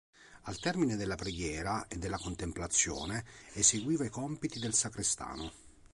Al termine della preghiera e della contemplazione, eseguiva i compiti del sacrestano.